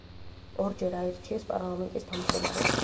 ორჯერ აირჩიეს პარლამენტის თავმჯდომარედ.